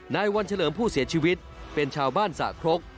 นายวันเฉลิมผู้เสียชีวิตเป็นชาวบ้านสะครก